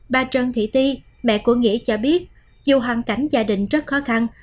bà trần thị ti mẹ của nghĩa cho biết dù hoàn cảnh gia đình rất khó khăn